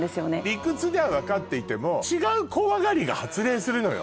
理屈じゃ分かっていても違う怖がりが発令するのよ